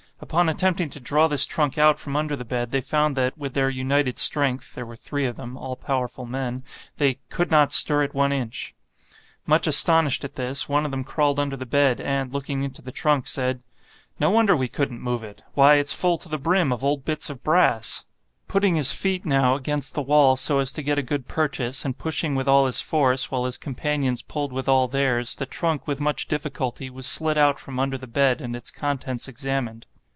Upon attempting to draw this trunk out from under the bed, they found that, with their united strength (there were three of them, all powerful men), they 'could not stir it one inch.' Much astonished at this, one of them crawled under the bed, and looking into the trunk, said: 'No wonder we couldn't move it—why it's full to the brim of old bits of brass!' Putting his feet, now, against the wall so as to get a good purchase, and pushing with all his force, while his companions pulled with all theirs, the trunk, with much difficulty, was slid out from under the bed, and its contents examined.